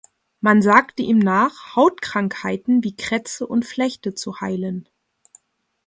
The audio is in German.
Man sagte ihm nach, Hautkrankheiten wie Krätze und Flechte zu heilen.